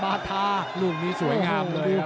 ฝ่ายทั้งเมืองนี้มันตีโต้หรืออีโต้